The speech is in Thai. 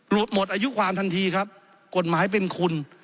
หมดหมดอายุความทันทีครับกฎหมายเป็นคุณ